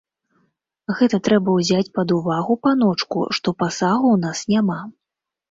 Гэта трэба ўзяць пад увагу, паночку, што пасагу ў нас няма.